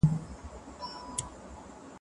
نړیوال سازمانونه له جرګې سره څنګه مرسته کوي؟